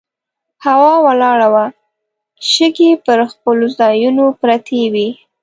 هوا ولاړه وه، شګې پر خپلو ځایونو پرتې وې.